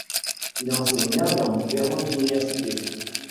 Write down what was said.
Il enseigna dans différentes universités.